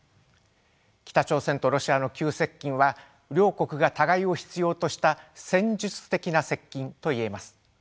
北朝鮮とロシアの急接近は両国が互いを必要とした戦術的な接近といえます。